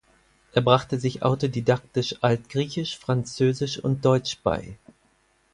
Er brachte sich autodidaktisch Altgriechisch, Französisch und Deutsch bei.